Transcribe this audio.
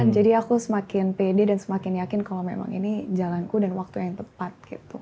jadi aku semakin pede dan semakin yakin kalau memang ini jalanku dan waktu yang tepat gitu